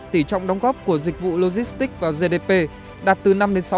tỉ trọng đóng góp của dịch vụ logistics vào gdp đạt từ năm sáu